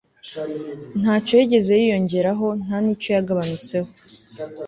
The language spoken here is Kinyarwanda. nta cyo yigeze yiyongeraho, nta n'icyo yagabanutseho